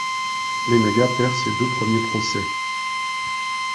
Ienaga perd ses deux premiers procès.